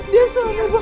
dia suami bodoh